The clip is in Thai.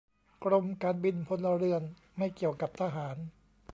กรมการบินพลเรือนไม่เกี่ยวกับทหาร